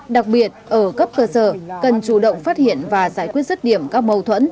đặc biệt ở cấp cơ sở cần chủ động phát hiện và giải quyết rứt điểm các mâu thuẫn